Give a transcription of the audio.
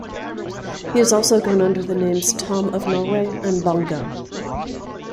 He has also gone under the names Tom of Norway and Bongo.